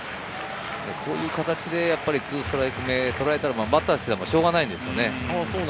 こういう形で２ストライク目を取られたらバッターとしては、しょうがないです。